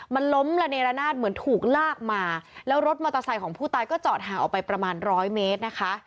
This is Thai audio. มันล้มระเนรนาศเหมือนถูกลากมาแล้วรถมอเตอร์ไซค์ของผู้ตายก็จอดห่างออกไปประมาณร้อยเมตรนะคะ